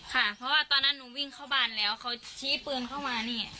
ค่ะเพราะว่าตอนนั้นหนูวิ่งเข้าบ้านแล้วเขาชี้ปืนเข้ามานี่